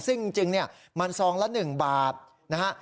ซึ่งจริงเนี่ยมันซองละ๑บาทนะฮะ